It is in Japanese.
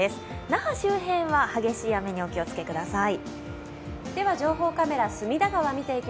那覇周辺は激しい雨にお気をつけください。